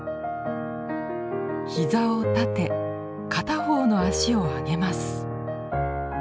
膝を立て片方の脚を上げます。